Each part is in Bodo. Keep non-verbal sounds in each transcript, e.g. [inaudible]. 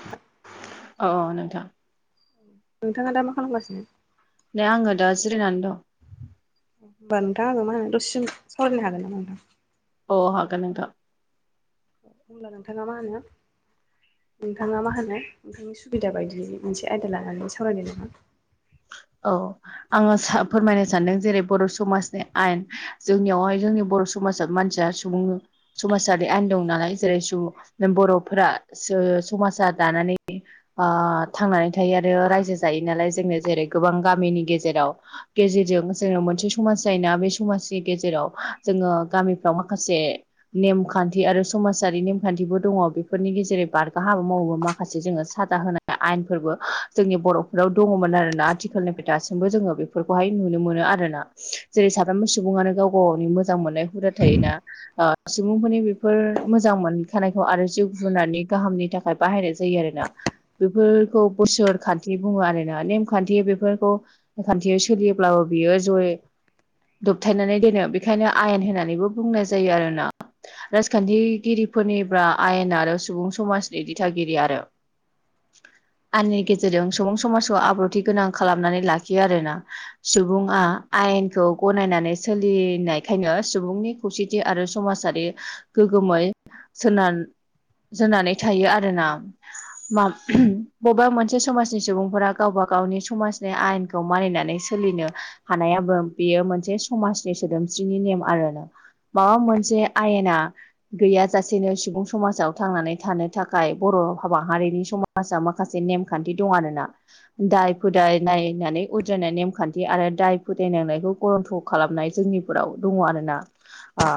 [inaudible] अ नोंथां। नोंथाङा दा मा खालामगासिनो? दा आङो दा जिरिायनानै दं। होमबा नोंथां आङो मा होनो दसे सावरायनो हागोन नामा नोंथां। अ हागोन नोंथां‌। होनब्ला नोंथाङा मा होनो। नोंथाङा मा होनो नोंथांनि सुबिदा बादियै मोनसे आयदा लानानै सावरायदो नामा। औ। आङो फोरमायनो सानदों जेरै बर' समाजनि आयेन जोंनियावहाय जोंनि बर' समाजा मानसिया बुङो। समाजारि आयेन दं नालाय जेरै स जों बर'फोरा समाजा दानानै ओ थांनानै थायो आरो रायजो जायो नालाय जोंनो जेरै गोबां गामिनि गेजेराव गेजेरजों जोङो मोनसे समाज जायोना बे समाजनि गेजेराव जोङो गामिफ्राव माखासे नेमखान्थि आरो समाजारि नेमखान्थिबो दङ बेफोरनि गेजेरै बारगा हाबा मावोबा माखासे जोङो सादा होनाय आयेनफोरबो जोंनि बर'फोराव दङमोन आरोना आथिखालनिफ्राय दासिमबो जोङो बेफोरखौहाय नुनो मोनो आरोना जेरै साफ्रोमबो सुबुङानो गाव गावनि मोजां मोनो बुरजा थायोना ओ सुबुंफोरनि बेफोर मोजां मोनखानायखौ आरो जिउ जुनारनि गाहामनि थाखाय बाहायनाय जायो आरोना बेफोरखौ बोसोर खान्थि बुङो आरोना नेमखान्थि थि बेफोरखौ खान्थियाव सोलियोब्लाबो बियो जय दबथायनानै दोनो बेखायनो आयेन होननानैबो बुंनाय जायो आरोना राजखान्थिगिरिफोरनिब्ला आयेन आरो सुबुं समाजनि दिथागिरि आरो आयेननि गेजेरजों सुबुं समाजखौ आब्रुथि गोनां खालामनानै लाखियो आरोना सुबुङा आयेनखौ गनायनानै सोलिनायखायनो सुबुंनि खौसेथि आरो समाजारि गोग्गोमै सोनार जोनानै थायो आरो ना मा बबेबा मोनसे समाजनि सुबुंफोरा गावबा गाव गावनि समाजनि आयेनखौ मानिनानै सोलिनो हानायाबो बेयो मोनसे समाजनि सोदोमस्रिनि नेम आरोना माबा मोनसे आयेना गैयाजासेनो सुबुं समाजाव थांनानै थानो थाखाय बर' हाबा हारिनि समाज समाजाव माखासे नेमखान्थि दं आरोना दाय फोदाय नायनानै उद्रायनाय नेमखान्थि आरो दाय फोदायनांनायखौ गरन्थ' खालामनाय जोंनिफोराव दङ आरोना ओ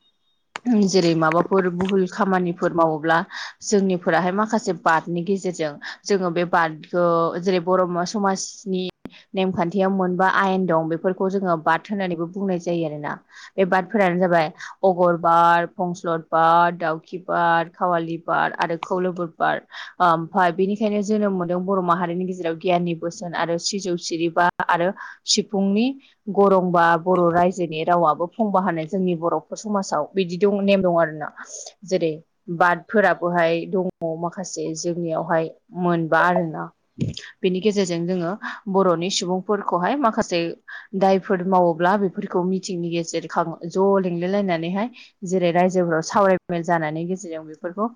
[inaudible] जेरै माबाफोर भुहुल खामानिफोर मावोब्ला जोंनिफोराहाय माखासे बादनि गेजेरजों जोङो बे बादखौ जेरै बर' समाजनि नेमखान्थियाव मोनबा आयेन दं बेफोरखौ जोङो बाद होननानैबो बुंनाय जायो आरोना बे बादफोरानो जाबाय अगरबाद फंस्लर बाद दाउखि बाद खावालि बाद आरो खौलोबोरबाद ओमफ्राय बेनिखायनो जोनोम मोनदों बर' माहारिनि गेजेराव जेराव गियाननि बोसोन आरो सिजौ सिरिबा आरो सिफुंनि गरंबा बर' रायजोनि रावाबो फंबा होनाय जोंनि बर'फोर समाजाव बिदि दं नेम दं आरोना जेरै बादफोराबोहाय दङ माखासे जोंनियावहाय मोनबा आरोना बेनि गेजेरजों जोङो बर'नि सुबुंफोरखौहाय माखासे दायफोर मावोब्ला बेफोरखौ मिथिंनि गेजेर ज' लेंलाय लायनानैहाय जेरै रायजोफोराव सावरायमेल जानायनि गेजेरजों बेफोरखौ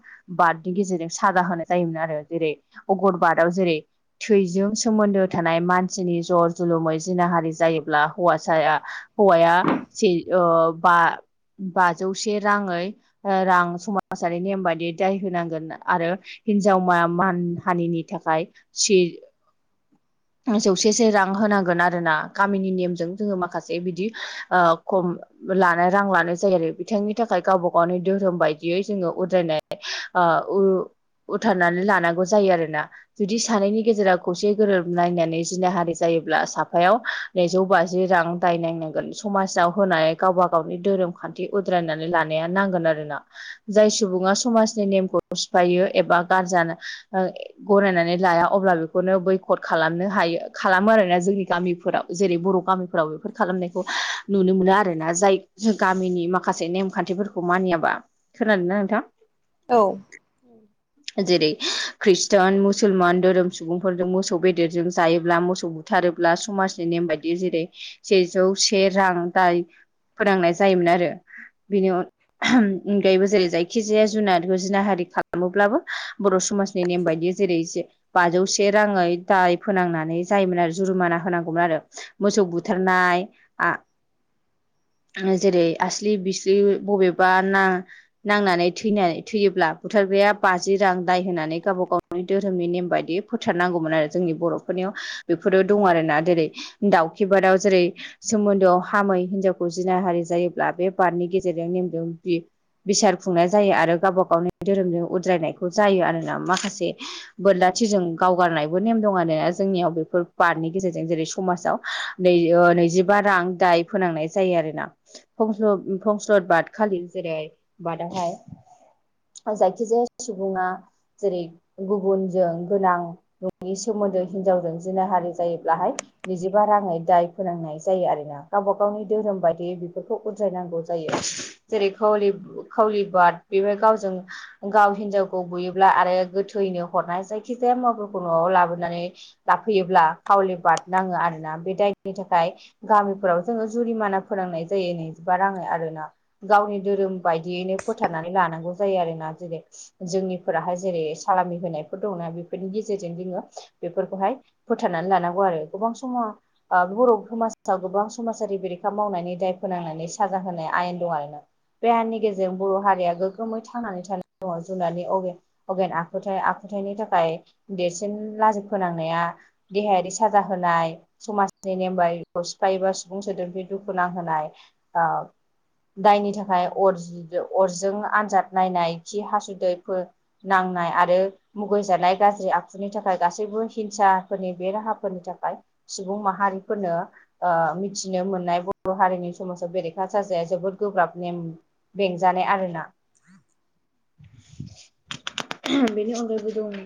बादनि गेजेरजों साजा होनाय जायोमोन आरो जेरै अगर बादआव जेरै थैजों सोमोन्दो थानाय मानसिनि जर जुलुमै जिनाहारि जायोब्ला हौवासाया हौवाया ब बाजौ से राङै रां समाजारि नेम बायदि दाय होनांगोन आरो हिनजाव मान हानिनि थाखाय सि [inaudible] जौसे से रां होनांगोन आरो ना गामिनि नेमजों जोङो माखासे बिदि खम लानाय रां लानाय जायो आरो बिथांनि थाखाय गावबा गावनि धोरोम बायदियै जोङो उद्रायनाय ओ उथारनानै लानांगौ जायो आरोना जुदि सानैनि गेजेराव खौसे गोरोबलनायनानै जिनाहारि जायोब्ला साफायाव नैजौ बाजि रां दाय नायनांगौ समाजाव होनाय गावबा गावनि धोरोम खान्थि उद्रायनानै लानाया नांगोन आरोना जाय सुबुङा समाजनि नेमखौ सिफायो एबा गारजा ओ गनायनानै लाया अब्ला बेखौनो बैखद खालामनो हायो खालामो आरोना जोंनि गामिफोराव जेरै बर' गामिफोराव बेफोर खालामनायखौ नुनो मोनो आरोना जाय गामिनि माखासे नेमखान्थिफोरखौ मानियाबा खोनादों ना नोंथां? औ जेरै ख्रिस्टान मुसलमान धोरोम सुबुंफोरजों मोसौ बेदेरजों जायोब्ला मोसौ बुथारोब्ला समाजनि नेम बायदि जेरै सेजौ से रां दाय फोनांनाय जायोमोन आरो बेनि अनगायैबो जेरै जायखिजाया जुनारखौ जिनाहारि खालामोब्लाबो बर' समाजनि नेम बायदियै जेरै बाजौ से राङै दाय फोनांनानै जायोमोन आरो जुरुमाना होनांगौमोन आरो मोसौ बुथारनाय आ जेरै आस्लि बिस्लि बबेबा ना नांनानै थैनानै थैयोब्ला बुथारग्राया बाजि रां दाय होनानै गावबा गाव बर'नि धोरोमनि नेम बायदि फोथारनांगौमोन आरो जोंनि बर'फोरनियाव बेफोरो दं आरोना जेरै दाउखि बादआव जेरै सोमोन्दोआव हामै हिनजावखौ जिनाहारि जायोब्ला बे बादनि गेजेरजों नेमजों बि बिसार खुंनाय जायो आरो गावबा गावनि धोरोमजों उद्रायनायखौ जायो आरोना माखासे बोरला थिरजों गावगारनायबो नेम दङ आरोना जोंनियाव बेफोर बादनि गेजेरजों जेरै समासाव नै नैजिबा रां दाय फोनांनाय जायो आरोना फंस्लद फंस्लद बाद खालि जेरै बादआवहाय जायखिजाया सुबुङा जेरै गुबुनजों गोनां न'नि सोमोन्दो हिनजावजों जिनाहारि जायोब्लाहाय नैजिबा राङै दाय फोरोनांनाय जायो आरो ना गावबा गावनि धोरोम बायदियै बेफोरखौ उद्रायनांगौ जायो जेरै खावलि खावलि बाद बेबो गावजों गाव हिनजावखौ बुयोब्ला आरो गोथैनो हरनाय जायखिजाया मुवाफोरखौ न'आव लाबोनानै लाफैयोब्ला खावलि बाद नाङो आरोना बे दायनि थाखाय गामिफोराव जोङो जुरिमाना फोरोंनाय जायो नैजिबा राङै आरो ना गावनि धोरोम बायदियैनो फोथारनानै लानांगौ जायो आरोना जेरै जोंनिफोराहाय जेरै सालामि होनायफोर दंना बेफोरनि गेजेरजों जोङो बेफोरखौहाय फोथारनानै लानांगौ आरो गोबां समाव बर' समाजाव गोबां समाजारि बेरेखा मावनायनि दाय फोनांनानै साजा होनाय आयेन दं आरोना देहानि गेजेरजों बर' हारिया गोगोमै थांनानै थानाय दङ जुनारनि अगेन आखुथाय आखुथायनि थाखाय देरसिन लाजि फोनांनाया देहायारि साजा होनाय समाजनि नेम बारिखौ सिफायोबा सुबुं सोदोबनि दुखु नांहोनाय दायनि थाखाय अर अरजों आनजाद नायनाय खि हासुदैफोर नांनाय आरो मुगैजानाय गाज्रि आखुनि थाखाय गासैबो हिंसाफोरनि बे राहाफोरनि थाखाय सुबुं माहारिफोरनो मिथिनो मोननाय बर' हारिनि समाजाव बेरेखा साजाया जोबोद गोब्राब नेम बेंजानाय आरोना [inaudible] [inaudible] बेनि अनगायैबो दं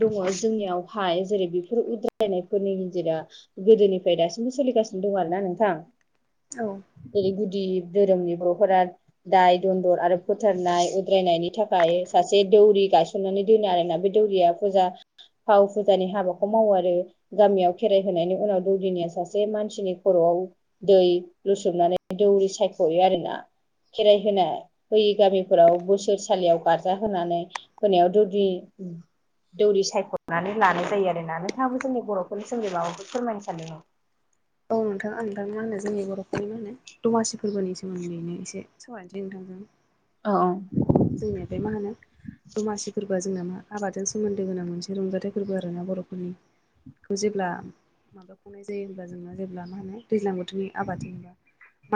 दङ जोंनियावहाय जेरै बेफोर उद्रायनायफोरनि गेजेराव गोदोनिफ्राय दासिमबो सोलिगासिनो दं आरो ना नोंथां औ जेरै गुदि धोरोमनि बर'फोरा दाय दन्दर आरो फोथारनाय उद्रायनायनि थाखाय सासे दौरि गायसननानै दोनो आरोना बे दौरिया फुजा फाव फुजानि हाबाखौ मावो आरो गामियाव खेराइ होनायनि उनाव दौदिनिया सासे मानसिनि खर'वाव दै लुसोमनानै दौरि सायख'यो आरोना खेराइ होना होयि गामिफोराव बोसोरसालियाव गारजा होनानै होनायाव दौदि दौरि सायख'नानै लानाय जायो आरोना नोंथाङाबो जोंनि बर'फोरनि सोमोन्दै माबाफोर फोरमायनो सानदों नामा औ नोंथां आं दा मा होनो जोंनि बर'फोरनि मा होनो दमासि फोरबोनि सोमोन्दैनो एसे सावरायनोसै नोंथांजों औ औ जोंनिया बे मा होनो दमासि फोरबोआ जोंना मा आबादजों सोमोन्दो गोनां मोनसे रंजाथाइ फोरबो आरो ना बर'फोरनि बे खौ जेब्ला मा खौ बुंनाय जायो होमबा जोङो जेब्ला मा होनो दैज्लां बोथोरनि आबाद जायोबा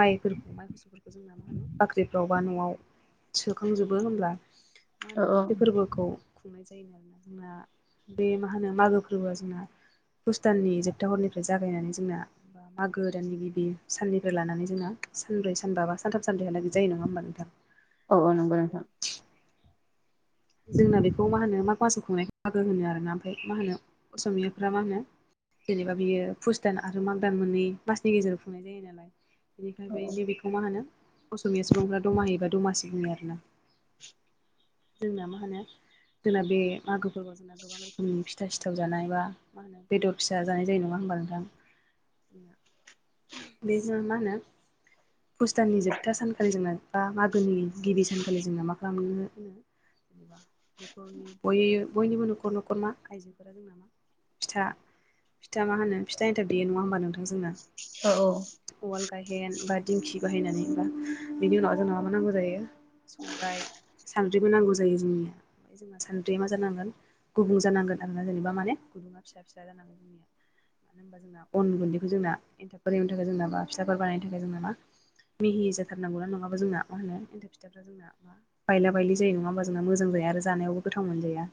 माइफोरखौ माइ मोसौफोरखौ जोंना मा होनो बाख्रिफ्राव बा न'आव खुंखांजोबो होमब्ला मा औ होनो औ बे फोरबोखौ खुंनाय जायोमोन आरोना जोंना बे मा होनो मागो फोरबोआ जोंना पुष दाननि जोबथा हरनिफ्राय जागायनानै जोंना मागो दाननि गिबि साननिफ्राय लानानै जोंना सानब्रै सानबा बा सानथाम साब्रै हालागि जायो नङा होमबा नोंथां औ औ नंगौ नोंथां जोंना बेखौ मा होनो माग मासाव खुंनाय बाहागो होनो आरोना ओमफ्राय मा होनो असमियाफ्रा मा होनो जेनेबा बियो फुस दान आरो माग दान मोननै मासनि गेजेराव खुंनाय जायो नालाय बेनिखाय बे नैबेखौ मा होनो असमिया सुबुंफ्रा दमाहिबा दमासि बुङो आरोना जोंना मा होनो जोंना बे मागोफोरखौ जोंना गोबां रोखोमनि फिथा सिथाव जानाय बा मा होनो बेदर फिसा जानाय जायो नङा होमबा नोंथां बेजों मा होनो पुष दाननि जोबथा सानखालि जोना बा मागोनि गिबि सानखालि जोना मा खालामनो होनो नि बयनिबो नखर न'खर मा आइजोफोरा जों फिथा फिथा मा होनो फिथा एनथाब देयो नङा होमबा नोंथां जोंना औ औ उवाल गायहेन बा दिंखि बाहायनानै बा बेनि उनाव जों मा नांगौ जायो संग्राय सानद्रिबो नांगौ जायो जोंनिया जोंना सानद्रिया मा जानांगोन गुबुं जानांगोन आरोना जेनेबा माने गुबुं फिसा फिसा जानांगोन जोंनिया मानो होमबा जोंना अन गुन्दैखौ जोंना एन्थाब बानायनो थाखाय जोंना बा फिथाफोर बानायनो थाखाय जोंना मा मिहि जाथारनांगौना नङाब जोंना मा होनो एन्थाब फिथाफ्रा जोंना बायला बायलि जायो नङा होमबा जोंना मोजां जाया आरो जानायावबो गोथाव मोनजाया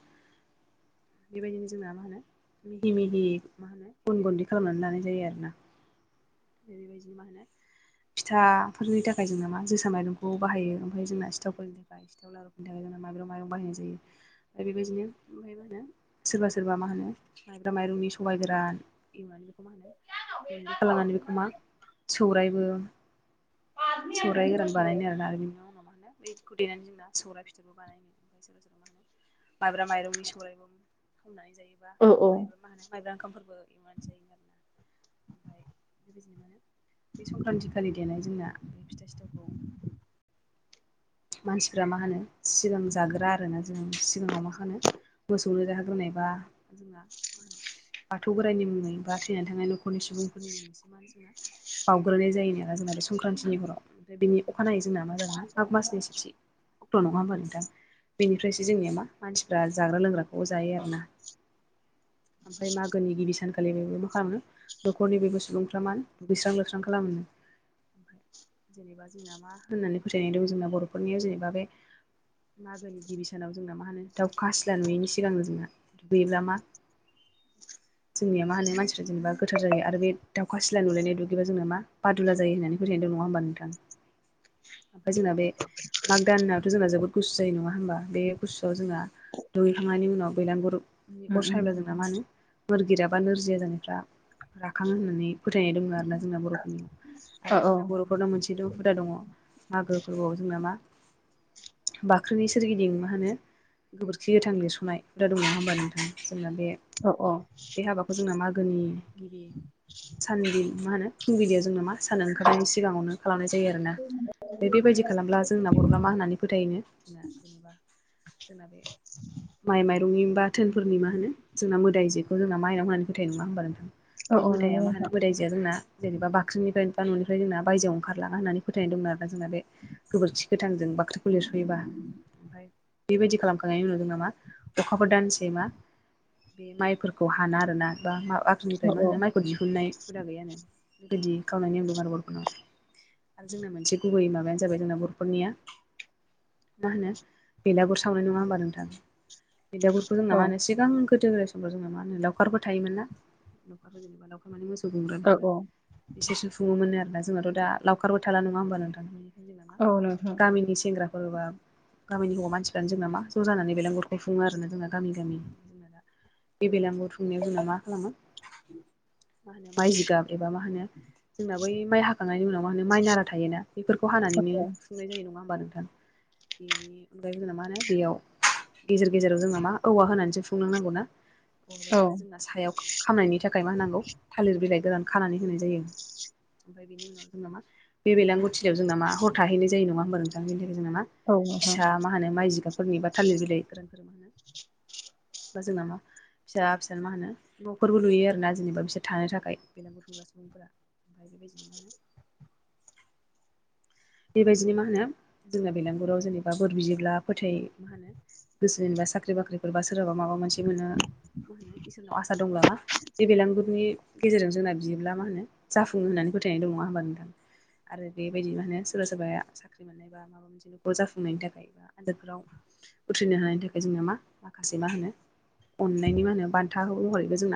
बेबायदिनो जोंना मिहि मिहि मा होनो अन गुन्दै खालामनानै लानाय जायो आरोना। बेबायदिनो मा होनो फिथाफोरनि थाखाय जोंना मा जोसा माइरंखौ बाहायो ओमफ्राय जोंना सिथावफोरनि बेनि थाखाय जोंना माइब्रा माइरं बाहायनाय जायो दा बेबायदिनो ओमफ्राय मा होनो सोरबा सोरबा मा होनो माइब्रा माइरंनि सबाइ गोरान औ गुन्दै उम खालामनानै उम बेखौ मा सौरायबो औ सौराइ गोरान बानायनो आरोना आरो बिनि उनाव मा होनो बैखौ देनानै जोंना सौराय फि बेसरबो बानायनो ओमफ्राय सोरबा सोरबा मा होनो माइब्रा माइरंनि सौराइबो खावनानै जायोबा माइब्रा मा होनो माइब्रा ओंखामफोरबो एवनानै जायो [unintelligible] बे संक्रान्ति खालिद देनाय जोंना बे फिथा सिथावखौ मानसिफ्रा मा होनो सिगां जाग्रोया आरोना जोंङो सिगाङाव मा होनो मोसौनो जाहोग्रोनायबा जोंना बाथौ बोराइनि मुङै बा थैनानै थांनाय न'खरनि सुबुंफोरनि मोनसे मा बावग्रोनाय जायोन आरो जोंना बे संक्रान्ति हराव ओमफ्राय बिनि अखानायै जोंना मा जायो माग मासनि सेथि अक्ट' नङा होमबा नोंथां। नोंथां बेनिफ्रायसो जोंनिया मा मानसिफ्रा जाग्रा लोंग्राखौ जायो आरोना। ओमफ्राय मा गोनि गिबि सानखालि बेबो मा खालामो न'खरनि बयबो सुबुंफ्रा मा दुगैस्रां लोबस्रां खालामो। जेनेबा जोंना मा होननानै फोथायनाय दं जोंना बर'फोरनियाव जेनेबा बे मागोनि गिबि सानाव जोंना मा होनो दाउखा सिला नुयैनि सिगांनो जोंना नुयोब्ला‌ मा जोंनिया मा होनो मानसिफ्रा जेनेबा गोथार जायो आरो बे दाउखा सिलाय नुलायनाय दुगैबा जोंना मा बादुला जायो होननानै फोथायनाय दङ' नङा होमबा नोंथां। ओमफ्राय जोंना बे माग दानाथ' जोंना जोबोद गुसु जायो नङा होमबा बे गुसुआव जोंहा दुगैखांनायनि उनाव बैलांगुरनि अर सायोब्ला जों मा होनो मोरगिरा बा नोरजिया जानायफ्रा राखाङो होननानै फोथायनाय दङ' आरोना जोंना बर'फोरना। आरो जोंना बर'फोरनाव मोनसे हुदा दङ' मागो फोरबोआव जोंना मा बाख्रिनि सोरगिदिं मा होनो गोबोरखि गोथां लिरस'नाय हुदा दं नङा होमबा नोंथां जोंना बे औ औ बे हाबाखौ जोंना मागोनि गिबि साननि मा होनो फुंबिलियाव जोंना मा सान ओंखारनायनि सिगाङावनो खालामनाय जायो आरोना ओमफ्राय बेबायदि खालामब्ला जोंना बर'फोरा मा होननानै फोथायोनो जेनेबा जोंना बे माइ माइ नि बा धोनफोरनि मा होनो जोंना मोदायजोखौ जोंना माइनाव होननानै फोथायो नङा होनबा नों औ बे औ मोदाया नंगौ मा होनो नोंथां मोदाइ या जोंना जेनेबा बाख्रिनिफ्राय बा न'निफ्राय जोंना बायजोआव ओंखारलाङा होननानै फोथायनाय दंमोन आरोना जोंना बे गोबोरखि गोथांजों बाख्रिखौ लिरस'योबा ओमफ्राय बेबायदि खालामखांनायनि जोंना मा अखाफोर दानसे मा बे माइफोरखौ हाना आरोना बा औ आाख्रिनिफ्राय मा होनो माइ बो दिहुननाय हुदा गैयानो बेबायदि खावनाय नेम दं आरो बर'फोरनाव। आरो जोंना मोनसे गुबै माबायानो जाबाय जोंना बर'फोरनिया मा होनो बेलागुर सावनाय नङा होमबा नोंथां बेलागुरखौ जोंना औ मा होनो सिगां गोदो गोदाय समफ्राव जोङो मा होनो लावखारबो थायोमोन ना। जेनेबा लाउखार माने मोसौ गुमग्रा औ बेफोरो एसे एसे खुङोमोन आरोना जोंनाथ' दा लावखारबो थाला नङा होमबा नोंथां। जोंना‌ मा औ नोंथां गामिनि सेंग्रा फोरबा गामिनि हौवा मानसिफ्रानो जोंना मा ज' जानानै बेलेंगुरखौ खुङो आरोना। जोंना गामि गामि जोंना दा बे बेलागुर खुंनायाव जोंना मा खालामो मा होनो माइ जिगाब एबा मा होनो जोंना बै माइ हाखांनायनि उनाव मा होनो माइ नारा थायोना बेफोरखौ हानानैनो औ सुफुंनाय जायो नङा होमबा नोंथां? बेनि अनगायैबो जोंना मा होनो बेयाव गेजेर गेजेराव जोङो मा औवा होनानैसो खुंलांनांगौ ना हरबाय औ आरो जोंना सायाव खामनायनि थाखाय मा होनांगौ थालिर बिलाइ गोरान खानानै होनाय जायो। ओमफ्राय बेनि उनाव जोंना मा बेलागुर थिलियाव जोंना मा हर थाहैनाय जायो नङा होमबा नोंथांनि थाखाय जोंना मा नोंथां फिसा मा होनो माइ जिगाबफोरनि बा थालिर बिलाइ गोरोंफोर मा होनो जोंना मा फिसा फिसा मा होनो न'खरबो लुयो आरोना जेनेबा बिसोर थानो थाखाय बेर गुरफुंग्रा सुबुं ओमफफ्राय बेबायदिनो मोनो। बेबायदिनो मा होनो जोंना बेलगुराव जेनेबा बोर बिब्ला फोथै मा होनो गोसो जेनेबा साख्रि बाख्रिफोरबा सोरहाबा माबा मोनसे मोनो मा होनो इसोरनाव आसा दं नामा? बे बेलगुरनि गेजेरजों जोंना बियोब्ला मा होनो जाफुङो होननानै फोथायनाय दङ नङा होमबा नोंथां? आरो बेबायदि मा होनो सोरबा सोरबाया साख्रि मोननाय। बा माबा मोनसे' जाफुंनायनि थाखाय बा आनजादफोराव उथ्रिनो हानायनि थाखाय जोंना मा माखासे मा होनो अननायनि मा होनो बान्था महरैबो जोंना